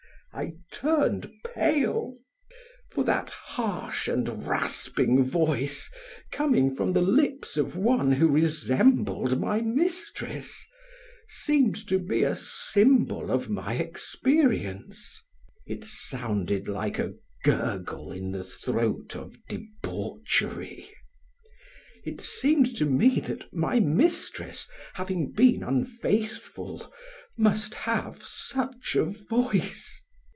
I turned pale; for that harsh and rasping voice, coming from the lips of one who resembled my mistress, seemed to be a symbol of my experience. It sounded like a gurgle in the throat of debauchery. It seemed to me that my mistress, having been unfaithful, must have such a voice.